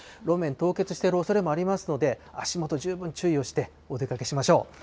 路面、凍結しているおそれもありますので、足元十分注意をしてお出かけしましょう。